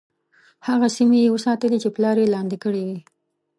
هغه سیمي یې وساتلې چې پلار یې لاندي کړې وې.